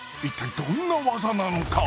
どんな技なのか？